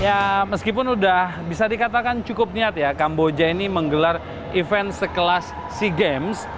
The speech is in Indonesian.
ya meskipun sudah bisa dikatakan cukup niat ya kamboja ini menggelar event sekelas sea games